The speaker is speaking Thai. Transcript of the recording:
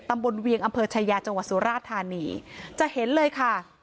เวียงอำเภอชายาจังหวัดสุราธานีจะเห็นเลยค่ะ